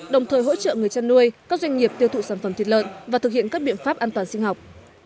đồng thời hỗ trợ người chăn nuôi các doanh nghiệp tiêu thụ sản phẩm thịt lợn và thực hiện các biện pháp an toàn sinh học